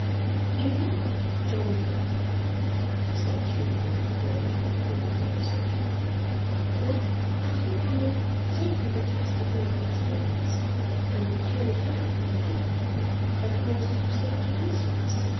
'You know, John dear,' she said, cheerily reverting to their former conversation, 'that I hope I may safely be trusted in great things. And it surely cannot be a little thing that causes you so much uneasiness.